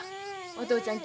お父ちゃん